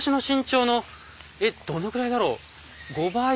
えっどのくらいだろう。